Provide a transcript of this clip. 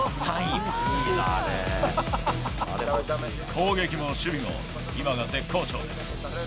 攻撃も守備も、今が絶好調です。